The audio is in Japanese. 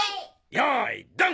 よーいドン！